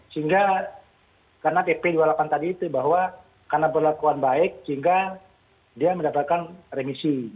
sehingga karena pp dua puluh delapan tadi itu bahwa karena berlakuan baik sehingga dia mendapatkan remisi